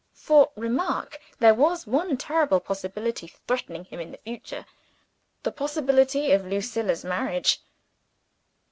For, remark, there was one terrible possibility threatening him in the future the possibility of Lucilla's marriage!